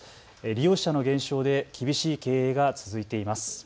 利用者の減少で厳しい経営が続いています。